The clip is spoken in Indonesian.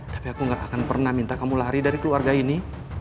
tapi aku gak akan pernah minta kamu lari dari keluarga ini